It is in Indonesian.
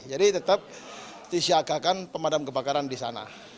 jadi tetap disiagakan pemadam kebakaran di sana